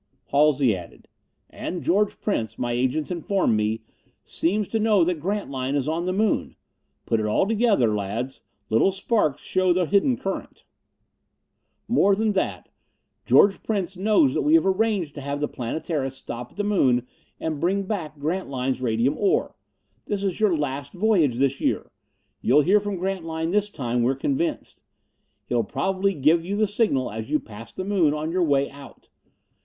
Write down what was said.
Halsey added, "And George Prince, my agents inform me, seems to know that Grantline is on the Moon. Put it all together, lads. Little sparks show the hidden current. "More than that: George Prince knows that we have arranged to have the Planetara stop at the Moon and bring back Grantline's radium ore. This is your last voyage this year. You'll hear from Grantline this time, we're convinced. He'll probably give you the signal as you pass the Moon on your way out.